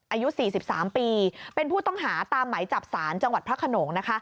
อายุ๔๓ปีเป็นผู้ต้องหาตามไหมจับศาลจังหวัดพระขนง